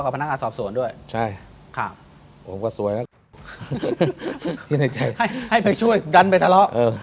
ผมก็สวยแล้วให้ไปช่วยดันไปทอเลาะ